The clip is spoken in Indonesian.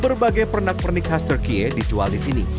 berbagai pernak pernik kastil turki ya dicuali di sini